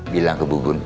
bilang ke bubun